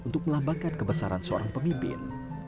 untuk melambangkan kebesaran seorang pemimpin